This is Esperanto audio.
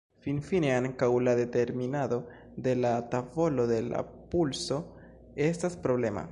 Finfine ankaŭ la determinado de la tavolo de la pulso estas problema.